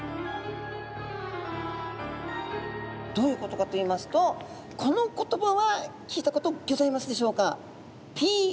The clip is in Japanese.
どういうことかといいますとこの言葉は聞いたことギョざいますでしょうか？